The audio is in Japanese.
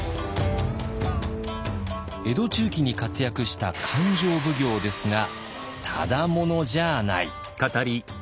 江戸中期に活躍した勘定奉行ですがただ者じゃない。